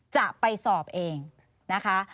จะไปสอบเองนะคะ